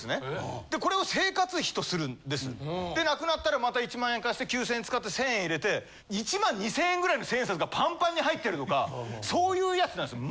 でなくなったらまた１万円貸して９０００円使って１０００円入れて１万２０００円ぐらいの１０００円札がパンパンに入ってるとかそういうヤツなんですよ。